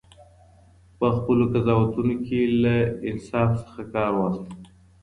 په خپلو قضاوتونو کې له انصاف څخه کار واخلئ.